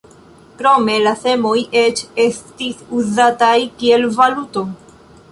Krome la semoj eĉ estis uzataj kiel valuto.